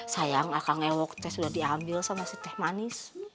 sayang akan ngewok teh sudah diambil sama si teh manis